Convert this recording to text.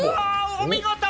お見事！